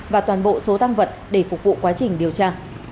và toàn bộ số tăng vật để phục vụ quá trình điều tra